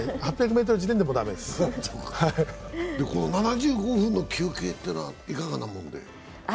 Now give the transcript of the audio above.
８００ｍ時点で、もう駄目です７５分の休憩というのはいかがなもんで？